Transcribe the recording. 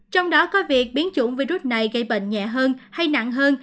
trong đó có việc biến chủng virus này gây bệnh nhẹ hơn hay nặng hơn